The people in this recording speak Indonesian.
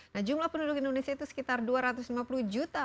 nah jumlah penduduk indonesia itu sekitar dua ratus lima puluh juta